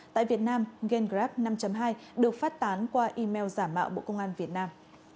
tại việt nam ganrab năm hai được phát tán qua email giả mạo bộ công an việt nam